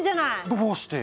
どうしてよ？